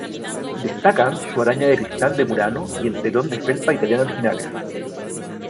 Destacan su araña de cristal de murano y el telón de felpa italiana originales.